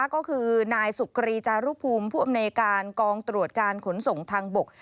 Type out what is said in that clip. ก็คือนายสุกรีจารุภูมิผู้อำนวยการกองตรวจการขนส่งทางบก